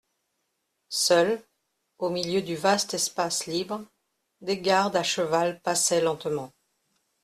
Seuls, au milieu du vaste espace libre, des gardes à cheval passaient lentement.